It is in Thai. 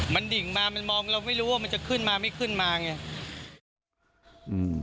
มันดิ่งมามันมองเราไม่รู้ว่ามันจะขึ้นมาไม่ขึ้นมาไง